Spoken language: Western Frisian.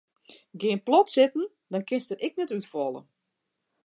Gean plat sitten dan kinst der ek net útfalle.